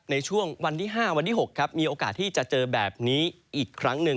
ในช่วงวันที่๕วันที่๖ครับมีโอกาสที่จะเจอแบบนี้อีกครั้งหนึ่ง